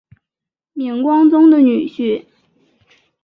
明光宗的女婿。